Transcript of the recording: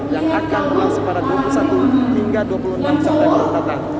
yang akan berlangsung pada dua puluh satu hingga dua puluh enam sabtu yang akan datang